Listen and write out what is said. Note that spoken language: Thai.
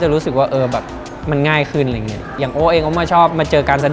รู้สึกว่าเออแบบมันง่ายขึ้นอะไรอย่างเงี้ยอย่างโอ้เองก็มาชอบมาเจอการแสดง